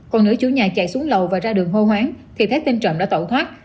còn nữ chủ nhà chạy xuống lầu và ra đường hô hoáng thì thấy tên trộm đã tẩu thoát